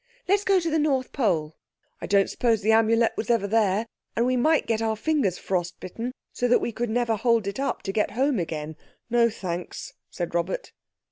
"Let's go to the North Pole." "I don't suppose the Amulet was ever there—and we might get our fingers frost bitten so that we could never hold it up to get home again. No thanks," said Robert.